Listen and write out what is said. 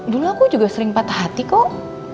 dulu aku juga sering patah hati kok